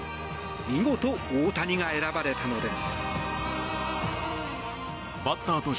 見事、大谷が選ばれたのです。